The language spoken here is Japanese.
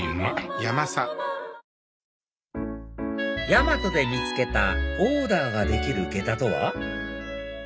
大和で見つけたオーダーができる下駄とは？